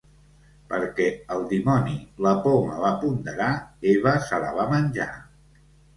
Perquè el dimoni la poma va ponderar, Eva se la va menjar.